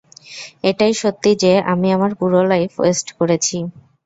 এটাই সত্যি যে আমি আমার পুরো লাইফ ওয়েস্ট করেছি!